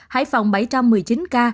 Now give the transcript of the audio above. hải phòng bảy trăm một mươi chín ca